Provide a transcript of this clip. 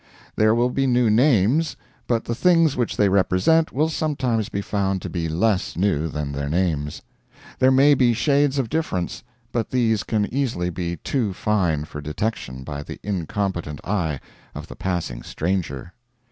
There will be new names, but the things which they represent will sometimes be found to be less new than their names. There may be shades of difference, but these can easily be too fine for detection by the incompetent eye of the passing stranger.